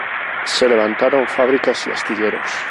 Se levantaron fábricas y astilleros.